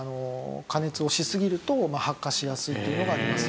加熱をしすぎると発火しやすいというのがあります。